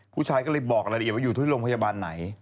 ผู้ชายก็เลยบอกรายละเอียดว่าอยู่ที่โรงพยาบาลไหน